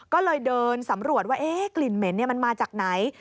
ก็เลยเดินสำรวจว่ากลิ่นเหม็นมันมาจากไหน